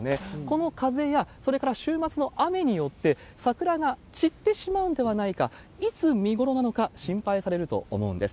この風や、それから週末の雨によって、桜が散ってしまうのではないか、いつ見頃なのか、心配されると思うんです。